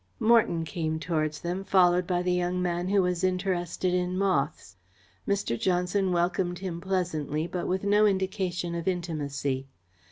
Morton came towards them, followed by the young man who was interested in moths. Mr. Johnson welcomed him pleasantly, but with no indication of intimacy.